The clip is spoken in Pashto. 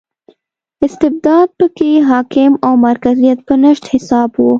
استبداد په کې حاکم او مرکزیت په نشت حساب و.